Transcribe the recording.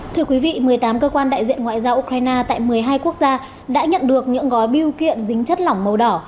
thưa quý vị một mươi tám cơ quan đại diện ngoại giao ukraine tại một mươi hai quốc gia đã nhận được những gói biêu kiện dính chất lỏng màu đỏ